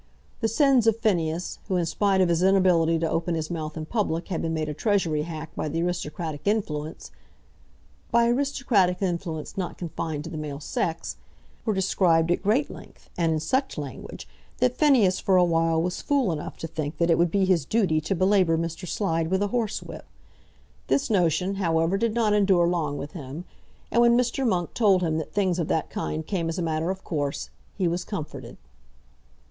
The sins of Phineas, who in spite of his inability to open his mouth in public had been made a Treasury hack by the aristocratic influence, "by aristocratic influence not confined to the male sex," were described at great length, and in such language that Phineas for a while was fool enough to think that it would be his duty to belabour Mr. Slide with a horsewhip. This notion, however, did not endure long with him, and when Mr. Monk told him that things of that kind came as a matter of course, he was comforted.